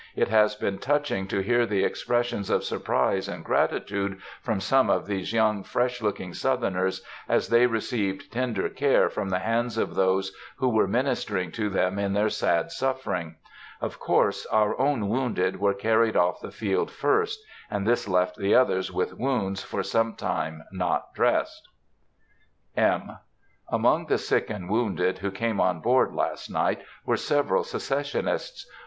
It has been touching to hear the expressions of surprise and gratitude from some of these young, fresh looking Southerners, as they received tender care from the hands of those who were ministering to them in their sad suffering. Of course our own wounded were carried off the field first, and this left the others with wounds for some time not dressed. Footnote 7: This refers to the second loading of the Knickerbocker after the battle. (M.) Among the sick and wounded who came on board last night were several Secessionists.